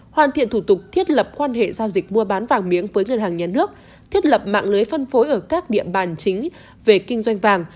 hoàn thiện thủ tục thiết lập quan hệ giao dịch mua bán vàng miếng với ngân hàng nhà nước thiết lập mạng lưới phân phối ở các địa bàn chính về kinh doanh vàng